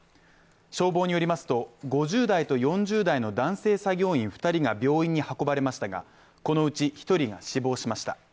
消防によりますと、５０代と４０代の男性作業員２人が病院に運ばれましたが、このうち１人が死亡しました。